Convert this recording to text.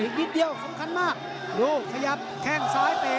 อย่างนิดเดียวสำคัญมากลูกขยับแข้งซ้ายตีด